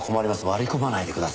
割り込まないでください。